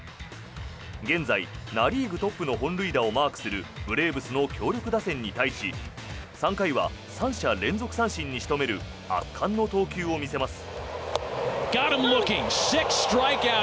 現在、ナ・リーグトップの本塁打をマークするブレーブスの強力打線に対し３回は３者連続三振に仕留める圧巻の投球を見せます。